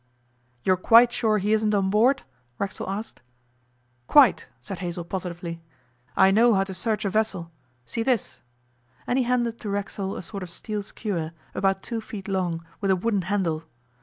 'You're quite sure he isn't on board?' Racksole asked. 'Quite,' said Hazell positively: 'I know how to search a vessel. See this,' and he handed to Racksole a sort of steel skewer, about two feet long, with a wooden handle.